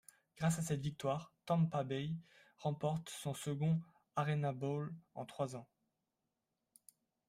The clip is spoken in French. Grâce à cette victoire, Tampa Bay remporte son second ArenaBowl en trois ans.